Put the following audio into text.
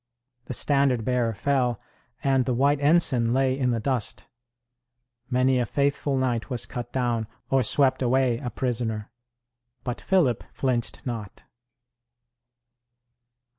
The standard bearer fell, and the white ensign lay in the dust. Many a faithful knight was cut down, or swept away a prisoner. But Philip flinched not.